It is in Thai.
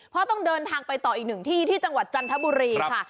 เพราะต้องเดินทางไปต่ออีกหนึ่งที่ที่จังหวัดจันทบุรีค่ะ